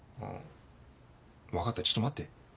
分かったちょっと待って。